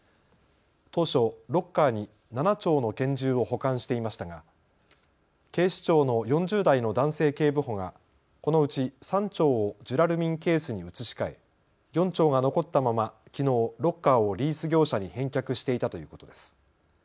当初、ロッカーに７丁の拳銃を保管していましたが警視庁の４０代の男性警部補がこのうち３丁をジュラルミンケースに移し替え４丁が残ったまま、きのうロッカーをリース業者に返却していたということです。